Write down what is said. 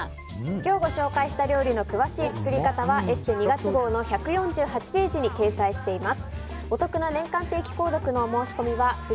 今日ご紹介した料理の詳しい作り方は「ＥＳＳＥ」２月号の１４８ページに掲載しています。